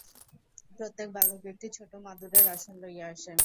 প্রত্যেক বালক একটি ছোট মাদুরের আসন লইয়া আসে।